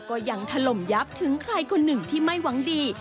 ก็ยังถล่มยับถึงใครคนหนึ่งที่ไม่หวังดี